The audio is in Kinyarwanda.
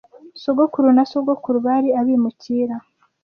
Sogokuru na sogokuru bari abimukira